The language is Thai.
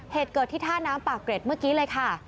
เหตุเกิดที่ท่าน้ำปากเกร็ดเมื่อกี้เลยค่ะ